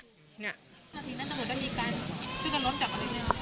ตำรวจก็มีการชื่อจะล้มจากอะไรเนี้ยตำรวจเอง